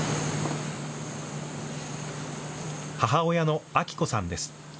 母親の彰子さんです。